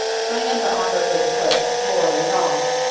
Diantha offered her the place, boy and all.